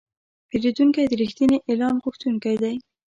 پیرودونکی د رښتیني اعلان غوښتونکی دی.